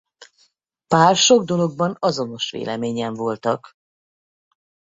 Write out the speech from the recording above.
Pál sok dologban azonos véleményen voltak.